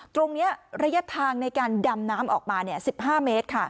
ตรงนี้ระยะทางในการดำน้ำออกมา๑๕เมตรค่ะ